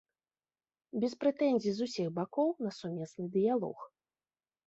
Без прэтэнзій з усіх бакоў на сумесны дыялог.